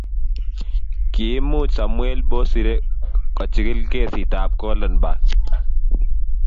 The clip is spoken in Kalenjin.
Kiimuch samuel bosire kochigil kesitap goldenberg